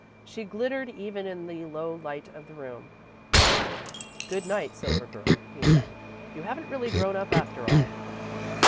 She glittered even in the low light of the room. "Good night, Silver Girl," he said. "You haven't really grown up after all."